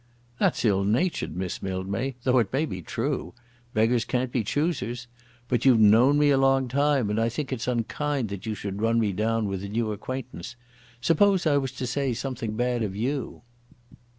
"That's ill natured, Miss Mildmay, though it may be true. Beggars can't be choosers. But you've known me a long time, and I think it's unkind that you should run me down with a new acquaintance. Suppose I was to say something bad of you."